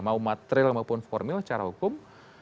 mau material maupun formil secara hukum